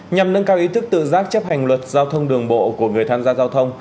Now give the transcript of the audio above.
nhằm nâng cao ý thức tự giác chấp hành luật giao thông đường bộ của người tham gia giao thông